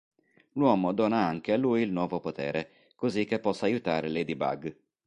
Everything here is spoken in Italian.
L'uomo dona anche a lui il nuovo potere, così che possa aiutare Ladybug.